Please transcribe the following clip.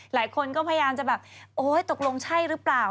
หลายคนก็พยายามจะแบบโอ๊ยตกลงใช่หรือเปล่า